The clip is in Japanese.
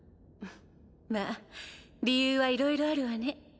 まぁ理由はいろいろあるわね。